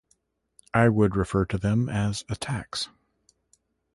I would refer to them as attacks.